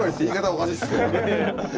おかしいっすけどね。